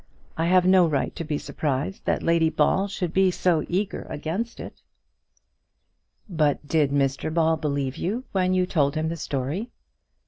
I have no right to be surprised that Lady Ball should be so eager against it." "But did Mr Ball believe you when you told him the story?"